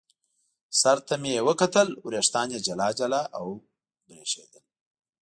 سر ته مې یې وکتل، وریښتان یې جلا جلا او برېښېدل.